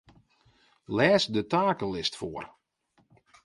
Lês de takelist foar.